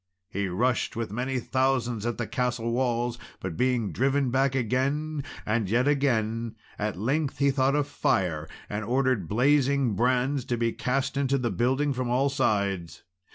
he rushed with many thousands at the castle walls. But, being driven back again and yet again, at length he thought of fire, and ordered blazing brands to be cast into the building from all sides.